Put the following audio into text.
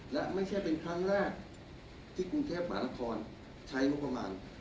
และไม่ใช่เป็นครั้งแรกที่กรุงเทพหมานครใช้งบประมาณ